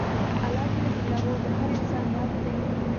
اللهﷻ د هر انسان رب دی.